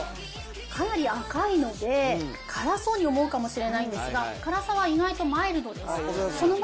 かなり赤いので、辛そうに思うかもしれないんですが、辛さは意外とマイルドです。